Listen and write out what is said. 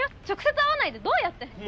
直接会わないでどうやって。